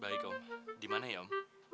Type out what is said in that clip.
baik om dimana ya om